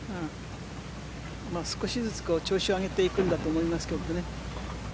少しずつ調子を上げていくんだと思いますが。